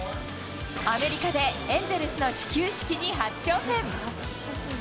アメリカでエンゼルスの始球式に初挑戦。